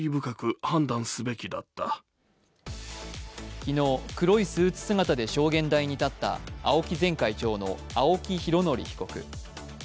昨日、黒いスーツ姿で証言台に立ったＡＯＫＩ前会長の青木拡憲被告。